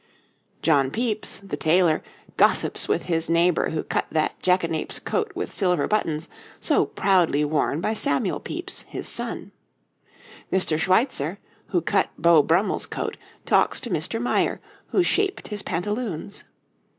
John Pepys, the tailor, gossips with his neighbour who cut that jackanapes coat with silver buttons so proudly worn by Samuel Pepys, his son. Mr. Schweitzer, who cut Beau Brummell's coat, talks to Mr. Meyer, who shaped his pantaloons.